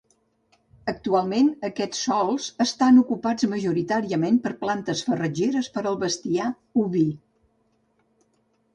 Actualment, aquests sòls estan ocupats majoritàriament per plantes farratgeres per al bestiar oví.